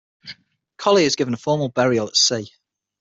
Colley is given a formal burial at sea.